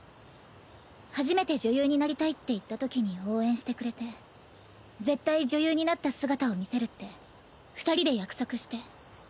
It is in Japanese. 初めて女優になりたいって言ったときに応援してくれて絶対女優になった姿を見せるって二人で約束して。